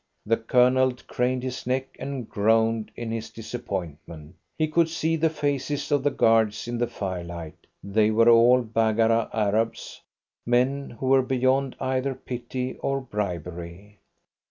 The Colonel craned his neck and groaned in his disappointment. He could see the faces of the guards in the firelight. They were all Baggara Arabs, men who were beyond either pity or bribery.